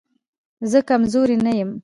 زه کمزوری نه يم